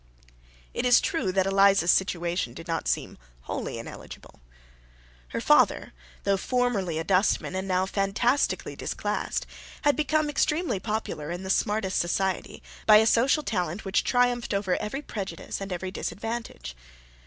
It is true that Eliza's situation did not seem wholly ineligible. Her father, though formerly a dustman, and now fantastically disclassed, had become extremely popular in the smartest society by a social talent which triumphed over every prejudice and every disadvantage.